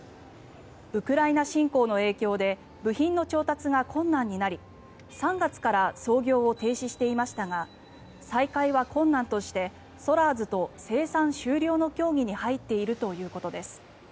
ウクライナ侵攻の影響で部品の調達が困難になり３月から操業を停止していましたが再開は困難としてソラーズと生産終了の協議に入っているということです。